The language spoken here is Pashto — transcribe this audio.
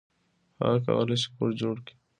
هغه کولی شي کور جوړ کړي.